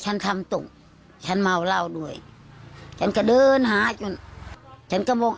ทำตกฉันเมาเหล้าด้วยฉันก็เดินหาจนฉันก็มอง